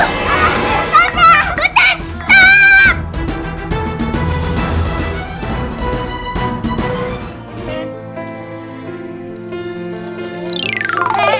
ah aduh aduh aduh aduh